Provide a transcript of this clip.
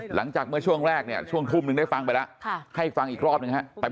หลังจากเมื่อช่วงแรกเนี่ยช่วงทุ่มหนึ่งได้ฟังไปแล้วให้ฟังอีกรอบหนึ่งฮะ